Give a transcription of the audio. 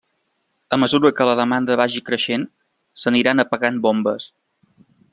A mesura que la demanda vagi creixent, s'aniran apagant bombes.